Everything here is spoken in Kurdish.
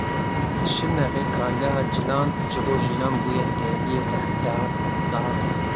Li Şirnexê kargeha cilan ji bo jinan bûye deriyê dahatê.